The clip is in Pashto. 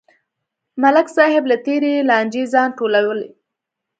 ملک صاحب له تېرې لانجې ځان ټولوي.